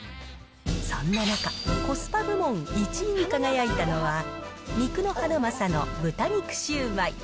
そんな中、コスパ部門１位に輝いたのは、肉のハナマサの豚肉シュウマイ。